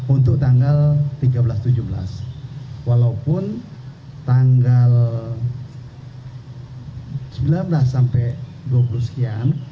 untuk tanggal tiga belas tujuh belas walaupun tanggal sembilan belas sampai dua puluh sekian